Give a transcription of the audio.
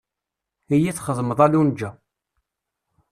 Iyi txedmeḍ a Lunǧa.